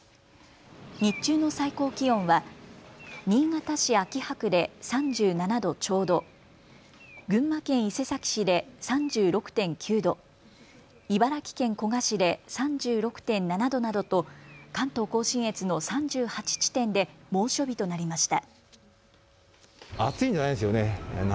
日中の最高気温は新潟市秋葉区で３７度ちょうど、群馬県伊勢崎市で３６．９度、茨城県古河市で３６．７度などと関東甲信越の３８地点で猛暑日となりました。